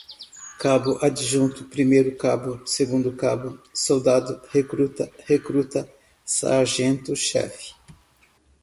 Cabo-Adjunto, Primeiro-Cabo, Segundo-Cabo, Soldado-Recruta, Recruta, Sargento-Chefe